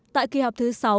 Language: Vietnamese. tại kỳ họp thứ sáu